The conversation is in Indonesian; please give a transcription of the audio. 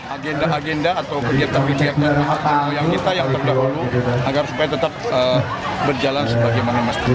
agenda agenda atau kegiatan kegiatan yang kita yang terdahulu agar supaya tetap berjalan sebagaimana mesti